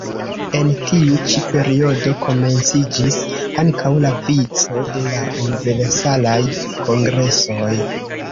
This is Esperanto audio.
En tiu ĉi periodo komenciĝis ankaŭ la vico de la Universalaj Kongresoj.